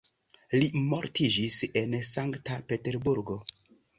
Li mortiĝis en Sankta Peterburgo.